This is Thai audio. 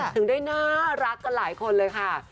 ถึงได้น่ารักกันหลายคนเลยค่ะ